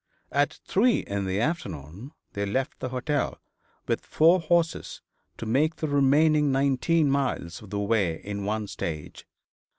At three in the afternoon they left the hotel, with four horses, to make the remaining nineteen miles of the way in one stage.